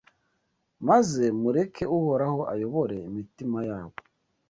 maze mureke Uhoraho ayobore imitima yabo